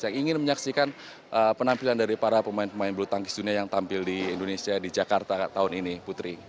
yang ingin menyaksikan penampilan dari para pemain pemain bulu tangkis dunia yang tampil di indonesia di jakarta tahun ini putri